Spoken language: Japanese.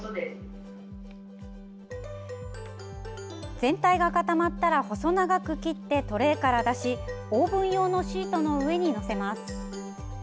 全体が固まったら細長く切ってトレーから出しオーブン用シートの上に載せます。